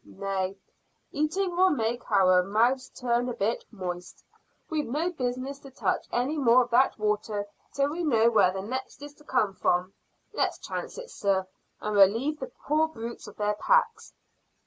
"Nay, eating will make our mouths turn a bit moist; we've no business to touch any more of that water till we know where the next is to come from. Let's chance it, sir, and relieve the poor brutes of their packs."